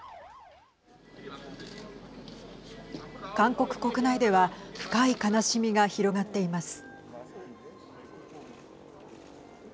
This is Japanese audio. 韓国国内では深い悲しみが広がっています。